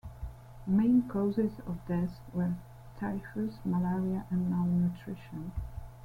Main causes of death were typhus, malaria, and malnutrition.